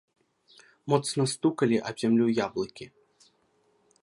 Моцна стукалі аб зямлю яблыкі.